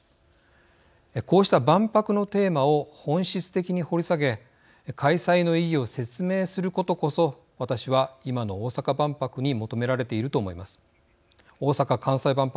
こうした万博のテーマを本質的に掘り下げ開催の意義を説明することこそ私は今の大阪・関西万博に求められていると思います。